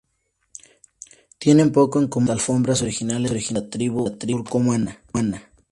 Tienen poco en común con las alfombras originales de la tribu turcomana.